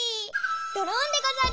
ドロンでござる！